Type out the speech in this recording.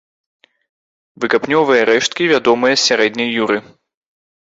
Выкапнёвыя рэшткі вядомыя з сярэдняй юры.